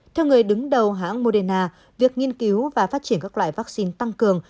theo người đứng đầu hãng moderna việc nghiên cứu và phát triển các loại vaccine tăng cường